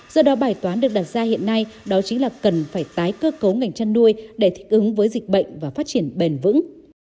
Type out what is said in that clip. do đó bài toán được đặt ra hiện nay đó chính là cần phải tái cơ cấu ngành chăn nuôi để thích ứng với dịch bệnh và phát triển bền vững